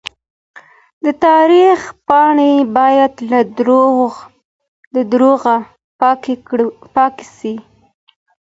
د تاريخ پاڼې بايد له دروغه پاکې سي.